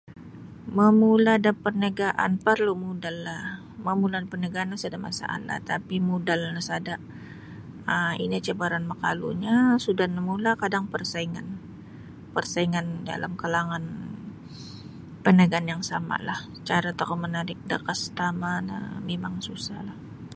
Mamula' da parniagaan parlu' modallah mamula' da parniagaan no sada' masalah tapi modal no sada' um ino cabaran makalunyo sudah namula' kadang parsaingan parsaingan dalam kalangan parniagaan yang sama'lah cara tokou manarik da customer no mimang susahlah.